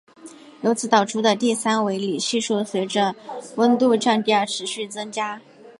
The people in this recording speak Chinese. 由此导出的第三维里系数随着温度降低而持续增加。